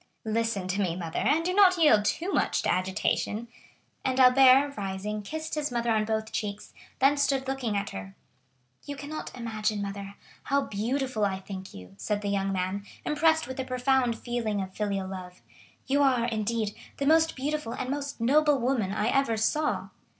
"Listen to me, mother, and do not yield too much to agitation." And Albert, rising, kissed his mother on both cheeks, then stood looking at her. "You cannot imagine, mother, how beautiful I think you!" said the young man, impressed with a profound feeling of filial love. "You are, indeed, the most beautiful and most noble woman I ever saw!"